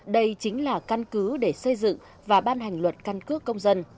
đây chính là căn cứ để xây dựng và ban hành luật căn cước công dân